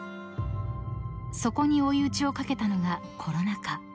［そこに追い打ちをかけたのがコロナ禍］